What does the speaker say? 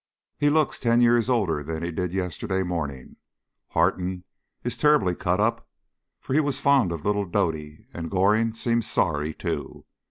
He looks ten years older than he did yesterday morning. Harton is terribly cut up, for he was fond of little Doddy, and Goring seems sorry too.